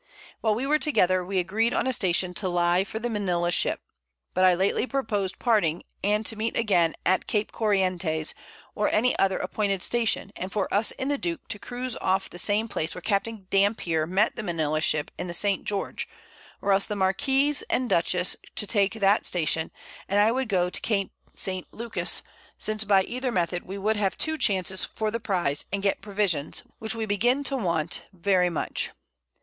While we were together, we agreed on a Station to lie for the Manila Ship; but I lately proposed parting, and to meet again at Cape Corientes, or any other appointed Station, and for us in the Duke to cruize off the same Place where Capt. Dampier met the Manila Ship in the St. George, or else the Marquiss and Dutchess to take that Station, and I would go to Cape St. Lucas; since by either Method we should have 2 Chances for the Prize, and get Provisions, which we begin to want very much.